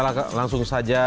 kita langsung saja